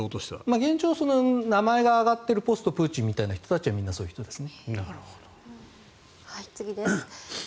現状、名前が挙がっているポストプーチンみたいな人たちはみんなそうですね。